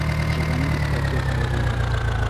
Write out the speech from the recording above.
Фажиғәне иҫкәртеү хәйерлерәк.